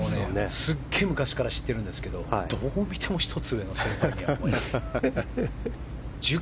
すっごい昔から知ってるんですけどどう見ても１つ上の先輩には見えない。